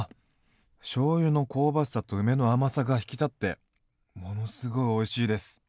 しょうゆの香ばしさと梅の甘さが引き立ってものすごいおいしいです。